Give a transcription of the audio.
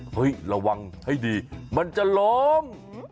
ระวังให้ดีมันจะล้ม